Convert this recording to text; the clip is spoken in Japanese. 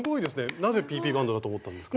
なぜＰＰバンドだと思ったんですか？